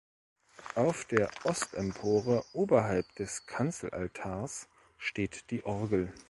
Auf der Ostempore oberhalb des Kanzelaltars steht die Orgel.